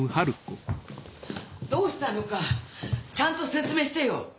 どうしたのかちゃんと説明してよ！